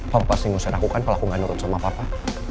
papa pasti ngerusak lakukan kalau aku gak nurut sama papa